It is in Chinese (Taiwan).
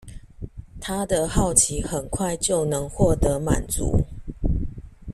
他的好奇很快就能獲得滿足